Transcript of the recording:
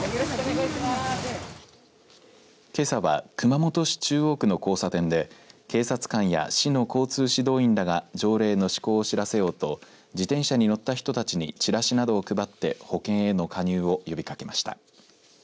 けさは、熊本市中央区の交差点で警察官や市の交通指導員らが条例の施行を知らせようと自転車に乗った人たちにチラシなどを配って保険への加入を呼びかけました。